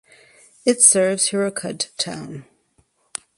It serves Hirakud town.